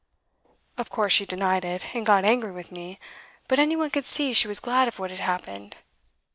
'Of course she denied it, and got angry with me; but any one could see she was glad of what had happened.